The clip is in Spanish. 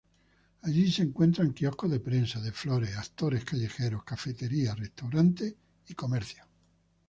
Allí se encuentran kioscos de prensa, de flores, actores callejeros, cafeterías, restaurantes y comercios.